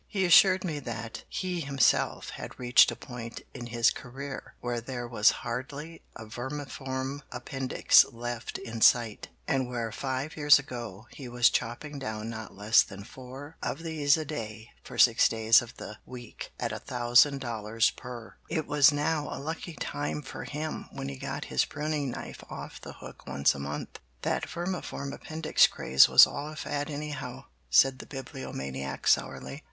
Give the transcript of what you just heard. He assured me that he himself had reached a point in his career where there was hardly a vermiform appendix left in sight, and where five years ago he was chopping down not less than four of these a day for six days of the week at a thousand dollars per, it was now a lucky time for him when he got his pruning knife off the hook once a month." "That vermiform appendix craze was all a fad anyhow," said the Bibliomaniac sourly.